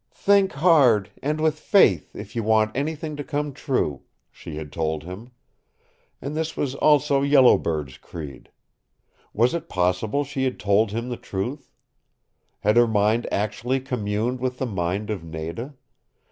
"Think hard, and with faith, if you want anything to come true," she had told him. And this was also Yellow Bird's creed. Was it possible she had told him the truth? Had her mind actually communed with the mind of Nada?